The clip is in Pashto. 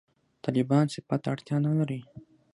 «طالبان» صفت ته اړتیا نه لري.